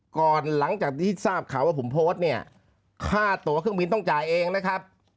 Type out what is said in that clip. ก่อนหลังจากที่ทราบข่าวว่าผมโพสต์เนี่ยค่าตัวเครื่องบินต้องจ่ายเองนะครับ